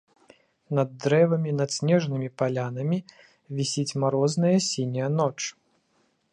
Над дрэвамі, над снежнымі палянамі вісіць марозная сіняя ноч.